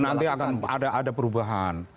nanti akan ada perubahan